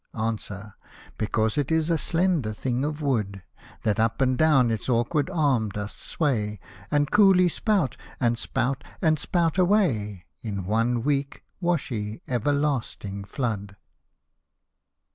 Answ, Because it is a slender thing of wood, That up and down its awkward arm doth sway, And coolly spout and spout and spout away. In one weak, washy, everlasting flood